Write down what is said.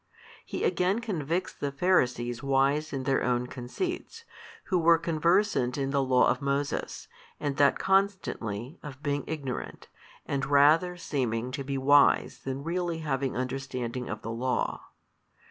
He again convicts the Pharisees wise in their own conceits, |289 who were conversant in the Law of Moses and that constantly, of being ignorant, and rather seeming to be wise than really having understanding of the Law.